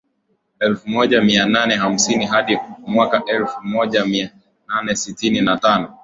elfu moja mia nane hamsini hadi mwaka elfu moja mia nane sitini na tano